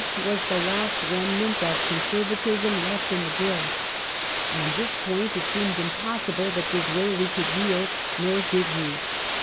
1867] LATER STAGES OF THE BILL last remnant of Conservatism left in the Bill.^ On this point it seemed impossible that Disraeli could yield, nor did he.